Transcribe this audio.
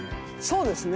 そうですね。